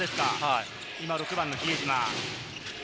今、６番の比江島。